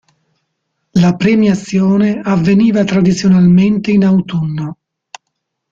La premiazione avveniva tradizionalmente in autunno.